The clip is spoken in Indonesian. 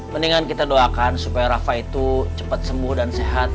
mendingan kita doakan supaya rafa itu cepat sembuh dan sehat